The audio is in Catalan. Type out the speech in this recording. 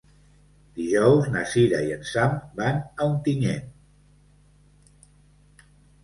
Dijous na Cira i en Sam van a Ontinyent.